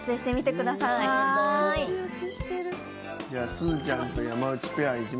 じゃあすずちゃんと山内ペアいきますか。